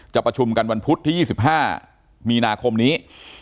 ประชุมกันวันพุธที่๒๕มีนาคมนี้